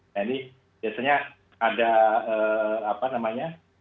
nah ini biasanya ada apa namanya